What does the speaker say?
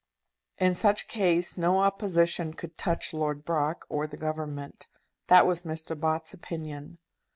In such case no opposition could touch Lord Brock or the Government. That was Mr. Bott's opinion.